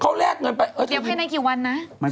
เค้าแลกเงินไปน่าจะเดี๋ยวให้ในกี่วันนะ